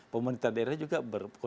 pemerintah daerah juga berkontrol